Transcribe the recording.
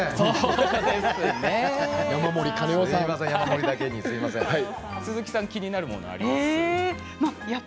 笑い声鈴木さん気になるものはありますか。